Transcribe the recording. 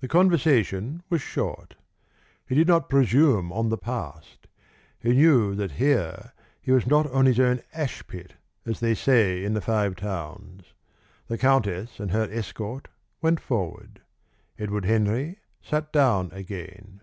The conversation was short. He did not presume on the past. He knew that here he was not on his own ash pit, as they say in the Five Towns. The countess and her escort went forward. Edward Henry sat down again.